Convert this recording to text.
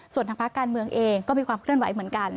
ส่วนทางภาคการเมืองเองก็มีความเคลื่อนไหวเหมือนกัน